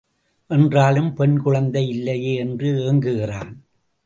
என்றாலும் பெண் குழந்தை இல்லையே என்று ஏங்குகிறான்.